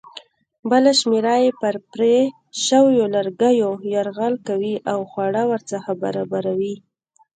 بله شمېره یې پر پرې شویو لرګیو یرغل کوي او خواړه ورڅخه برابروي.